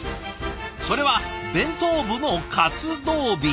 それは弁当部の活動日。